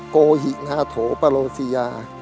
โกหิงาโถปโลซิยา